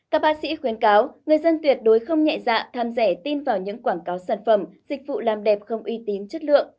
các bác sĩ khuyến cáo người dân tuyệt đối không nhẹ dạ tham rẻ tin vào những quảng cáo sản phẩm dịch vụ làm đẹp không uy tín chất lượng